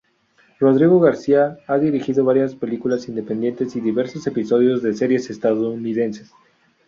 Rodrigo García ha dirigido varias películas independientes y diversos episodios de series estadounidenses.